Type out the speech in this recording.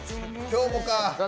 今日もか！